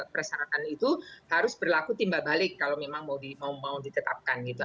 persyaratan itu harus berlaku timba balik kalau memang mau ditetapkan gitu